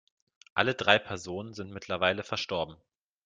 Alle drei Personen sind mittlerweile verstorben.